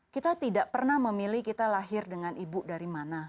kita tidak pernah memilih kita lahir dengan ibu dari mana